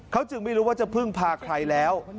เขาจึงไม่รู้ว่าจะพึ่งพาใครแล้ว